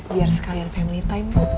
biar sekalian family time